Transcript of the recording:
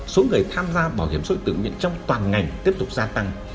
số người tham gia bảo hiểm xã hội tự nguyện trong toàn ngành tiếp tục gia tăng